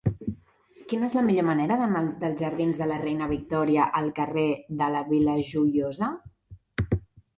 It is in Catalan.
Quina és la millor manera d'anar dels jardins de la Reina Victòria al carrer de la Vila Joiosa?